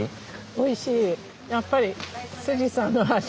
おいしい。